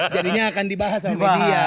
jadinya akan dibahas sama dia